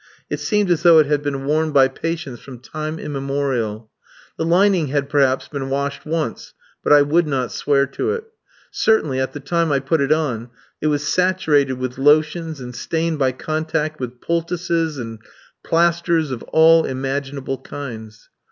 It seemed as though it had been worn by patients from time immemorial. The lining had, perhaps, been washed once, but I would not swear to it. Certainly, at the time I put it on, it was saturated with lotions, and stained by contact with poultices and plasters of all imaginable kinds.